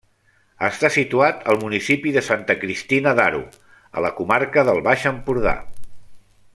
Està situat al municipi de Santa Cristina d'Aro, a la comarca del Baix Empordà.